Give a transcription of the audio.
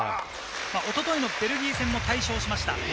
一昨日のベルギー戦も快勝しました。